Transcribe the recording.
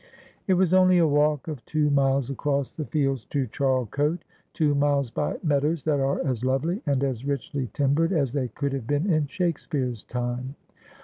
It was only a walk of two miles across the fields to Charle cote ; two miles by meadows that are as lovely and as richly timbered as they could have been in Shakespeare's time.